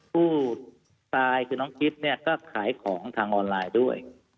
ผู้ตายคือน้องกิ๊บเนี่ยก็ขายของทางออนไลน์ด้วย